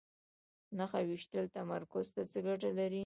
نښه ویشتل تمرکز ته څه ګټه لري؟